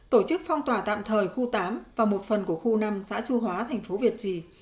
tổ chức phong tỏa tạm thời khu tám và một phần của khu năm xã chu hóa thành phố việt trì